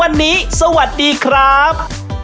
วันนี้สวัสดีครับ